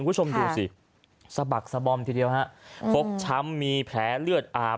คุณผู้ชมดูสิสะบักสะบอมทีเดียวฮะฟกช้ำมีแผลเลือดอาบ